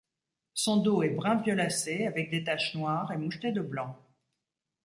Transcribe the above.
Son dos est brun violacé avec des taches noires et moucheté de blanc.